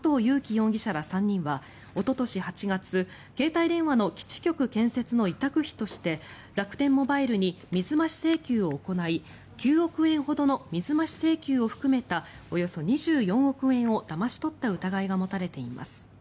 容疑者ら３人はおととし８月携帯電話の基地局建設の委託費として楽天モバイルに水増し請求を行い９億円ほどの水増し請求を含めたおよそ２４億円をだまし取った疑いが持たれています。